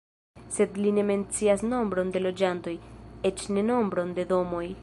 Sed li ne mencias nombron de loĝantoj, eĉ ne nombron de domoj.